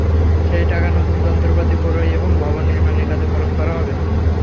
সেই টাকা নতুন যন্ত্রপাতি ক্রয় এবং ভবন নির্মাণের কাজে খরচ করা হবে।